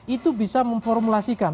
itu bisa memformulasikan